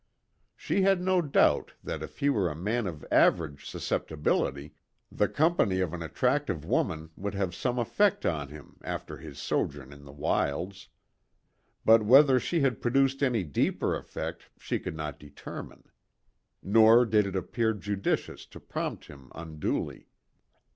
She had no doubt that if he were a man of average susceptibility, the company of an attractive woman would have some effect on him after his sojourn in the wilds; but whether she had produced any deeper effect she could not determine. Nor did it appear judicious to prompt him unduly.